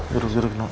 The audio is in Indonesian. duduk duduk no